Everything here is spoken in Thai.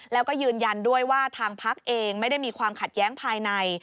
แล้วก็ยืนยันด้วยว่าทางพักเองไม่ได้มีความขัดแย้งภายใน